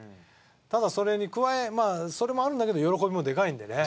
ただそれに加えそれもあるんだけど喜びもでかいんでね